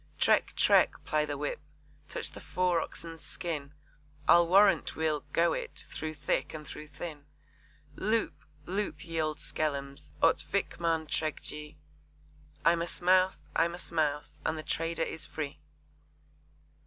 'Trek,' 'trek,' ply the whip touch the fore oxen's skin, I'll warrant we'll 'go it' through thick and through thin Loop! loop ye oud skellums! ot Vikmaan trek jy; I'm a Smouse, I'm a Smouse, and the trader is free!